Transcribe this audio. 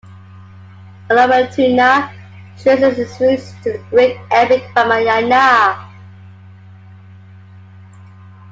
Unawatuna traces its roots to the great epic Ramayana.